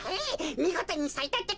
みごとにさいたってか。